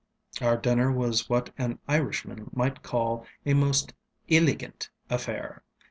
Our dinner was what an Irishman might call a most ŌĆśilligantŌĆÖ affair.